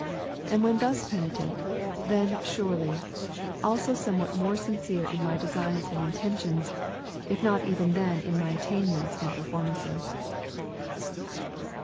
And when thus penitent, then surely, also somewhat more sincere in my designs and intentions, if not even then in my attainments and performances.